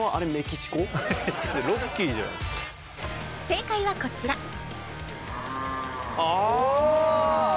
正解はこちらああ！ああ！